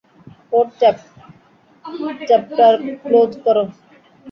ওর chapter close করো!